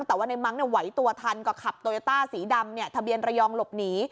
แต่ว่าในมั้งไหวตัวทันก็ขับโตโยต้าสีดำทะเบียนระยองหลบหนี